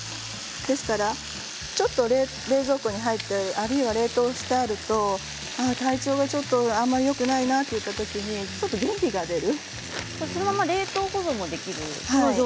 ですからちょっと、冷蔵庫に入っているあるいは冷凍してあると体調がちょっとあまり、よくないなというときにこのまま冷凍保存ができるんですね。